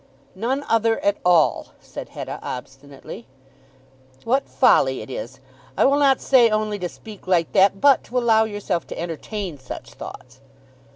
"None other at all," said Hetta obstinately. "What folly it is, I will not say only to speak like that, but to allow yourself to entertain such thoughts!"